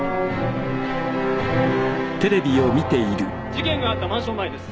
事件があったマンション前です。